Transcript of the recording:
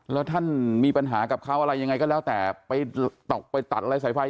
แล้วท่านมีปัญหากับเขาอะไรยังไงก็แล้วแต่ไปตกไปตัดอะไรสายไฟ